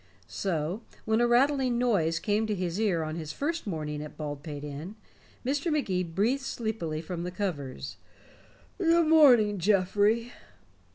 So, when a rattling noise came to his ear on his first morning at Baldpate Inn, Mr. Magee breathed sleepily from the covers: "Good morning, Geoffrey."